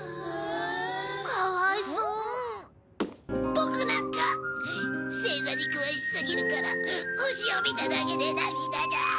ボクなんか星座に詳しすぎるから星を見ただけで涙が。